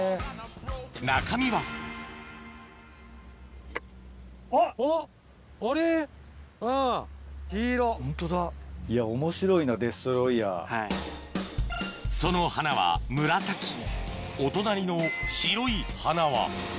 中身はその花は紫お隣の白い花は？